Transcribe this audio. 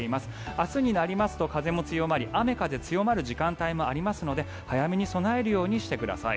明日になりますと風も強まり雨風強まる時間帯もありますので早めに備えるようにしてください。